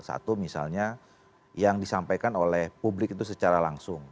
satu misalnya yang disampaikan oleh publik itu secara langsung